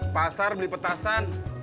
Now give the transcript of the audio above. pasar beli petasan